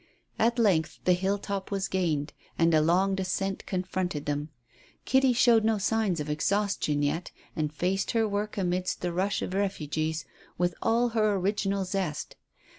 At length the hilltop was gained, and a long descent confronted them. Kitty showed no signs of exhaustion yet, and faced her work amidst the rush of refugees with all her original zest.